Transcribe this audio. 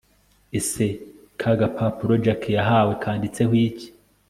ese kagapapuro jack yahawe kanditseho iki!